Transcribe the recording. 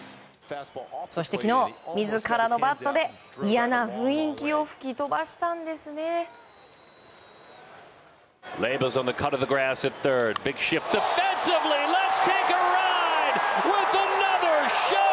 そして昨日自らのバットでいやな雰囲気を吹き飛ばしたんです。